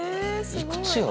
いくつよ？